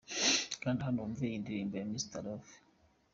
Kanda hano wumve iyi ndirimbo 'Mr Love'.